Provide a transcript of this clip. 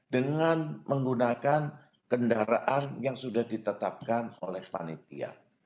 dengan menggunakan kendaraan yang sudah ditetapkan oleh panitia